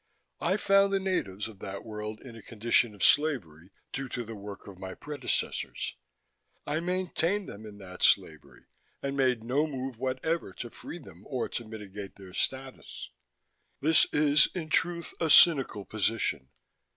I found the natives of that world in a condition of slavery, due to the work of my predecessors. I maintained them in that slavery, and made no move whatever to free them or to mitigate their status. This is, in truth, a cynical position.